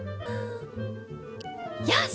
よし！